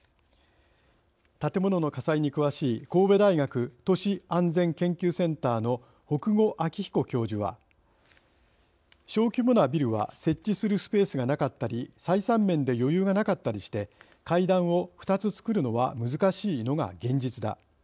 建物の火災に詳しい神戸大学都市安全研究センターの北後明彦教授は「小規模なビルは設置するスペースがなかったり採算面で余裕がなかったりして階段を２つつくるのは難しいのが現実だ。